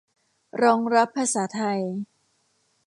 รองรับภาษาไทย